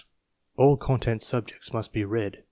All content subjects must be read.